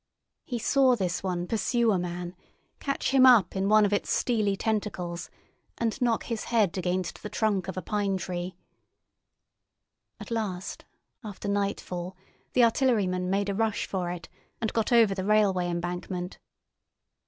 He saw this one pursue a man, catch him up in one of its steely tentacles, and knock his head against the trunk of a pine tree. At last, after nightfall, the artilleryman made a rush for it and got over the railway embankment.